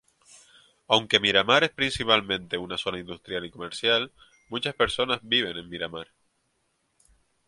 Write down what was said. Aunque Miramar es principalmente una zona industrial y comercial, muchas personas viven en Miramar.